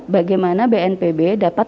bagaimana bnpb dapat